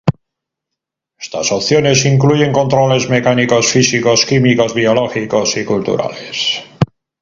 Estas opciones incluyen controles mecánicos, físicos, químicos, biológicos y culturales.